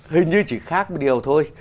hình như chỉ khác một điều thôi